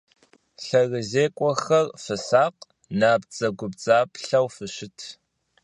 ЛъэсырызекӀуэхэр фысакъ, набдзэгубдзаплъэу фыщыт!